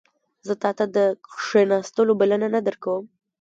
زه تا ته د کښیناستلو بلنه نه درکوم